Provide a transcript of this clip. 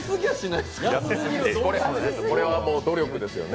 これはもう努力ですよね？